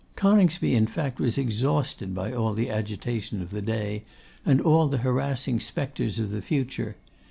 Coningsby, in fact, was exhausted by all the agitation of the day, and all the harassing spectres of the future.